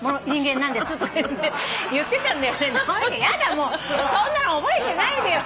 もうそんなの覚えてないでよ。